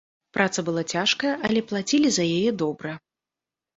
Праца была цяжкая, але плацілі за яе добра.